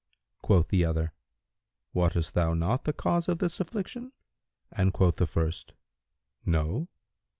Quoth the other, "Wottest thou not the cause of this affliction?"; and quoth the first, "No!